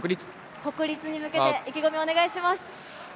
国立に向けて意気込みをお願いします。